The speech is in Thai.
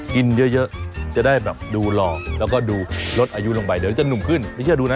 กินเยอะจะได้แบบดูหล่อแล้วก็ดูลดอายุลงไปเดี๋ยวจะหนุ่มขึ้นไม่เชื่อดูนะ